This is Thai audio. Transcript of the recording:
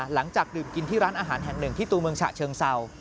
หลังจากดื่มกินที่ร้านอาหารแห่งหนึ่งที่ตัวเมืองฉะเชิงเศร้า